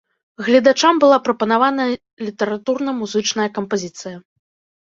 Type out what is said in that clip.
Гледачам была прапанаваная літаратурна-музычная кампазіцыя.